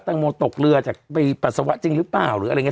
แตงโมตกเรือจากปราสาวะจริงรึเปล่า